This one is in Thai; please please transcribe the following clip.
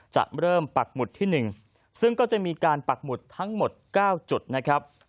จะเริ่มปักหมุดที่๑ซึ่งก็จะมีการปักหมุดทั้งหมด๙จุดนะครับ